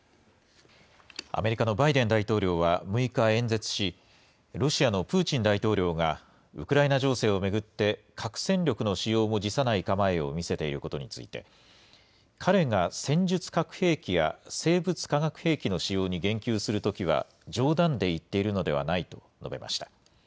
アメリカのバイデン大統領は６日、演説し、ロシアのプーチン大統領が、ウクライナ情勢を巡って、核戦力の使用も辞さない構えを見せていることについて、彼が戦術核兵器や生物・化学兵器の使用に言及するときは、冗談で言っているのではないと述べました。